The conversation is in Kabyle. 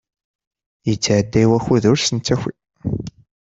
Yettɛedday wakud ur s-nettaki.